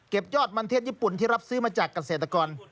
ยอดมันเทศญี่ปุ่นที่รับซื้อมาจากเกษตรกร